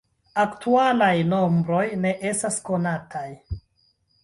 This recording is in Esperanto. Aktualaj nombroj ne estas konataj.